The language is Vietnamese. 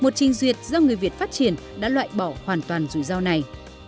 tuyệt do người việt phát triển đã loại bỏ hoàn toàn rủi ro này